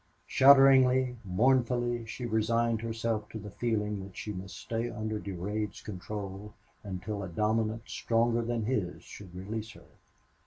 Shudderingly, mournfully, she resigned herself to the feeling that she must stay under Durade's control until a dominance stronger than his should release her.